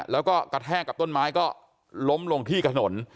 แล้วก็กระแทกกับต้นไม้ก็ล้มลงที่ถนน